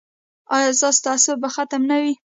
ایا ستاسو تعصب به ختم نه وي؟